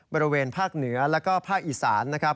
บริเวณภาคเหนือแล้วก็ภาคอีสานนะครับ